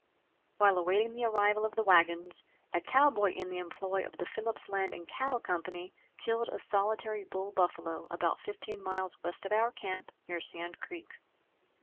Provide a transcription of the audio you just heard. While awaiting the arrival of the wagons, a cowboy in the employ of the Phillips Land and Cattle Company killed a solitary bull buffalo about 15 miles west of our camp, near Sand Creek.